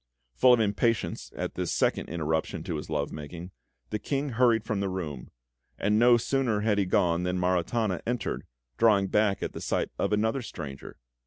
Full of impatience at this second interruption to his love making, the King hurried from the room; and no sooner had he gone than Maritana entered, drawing back at the sight of another stranger.